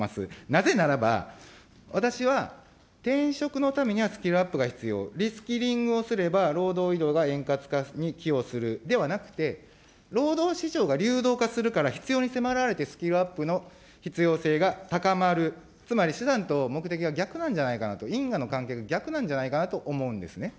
なぜならば、私は、転職のためにはスキルアップが必要、リスキリングをすれば労働移動が円滑化に寄与するではなくて、労働市場が流動化するから必要に迫られて、スキルアップの必要性が高まる、つまり手段と目的が逆なんじゃないかなと、因果の関係が逆なんじゃないかなと思うんですね。